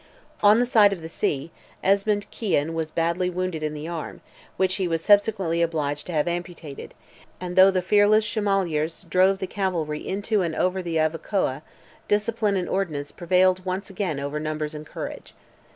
On the side of the sea, Esmond Kyan was badly wounded in the arm, which he was subsequently obliged to have amputated, and though the fearless Shilmaliers drove the cavalry into and over the Avoca, discipline and ordnance prevailed once again over numbers and courage.